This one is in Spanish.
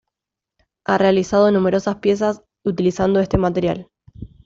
Ha realizado numerosas piezas utilizando este material.